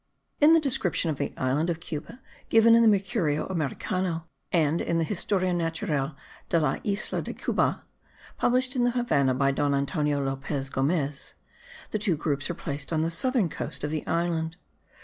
In the description of the island of Cuba, given in the Mercurio Americano, and in the Historia Natural de la Isla de Cuba, published at the Havannah by Don Antonio Lopez Gomez, the two groups are placed on the southern coast of the island.